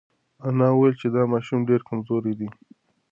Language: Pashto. انا وویل چې دا ماشوم ډېر کمزوری دی.